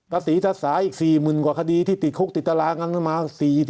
ประสิทธิศาสตร์อีก๔๐๐๐๐กว่าคดีที่ติดคุกติดตารางั้นมา